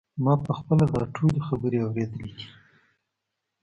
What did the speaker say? ما په خپله دا ټولې خبرې اورېدلې دي.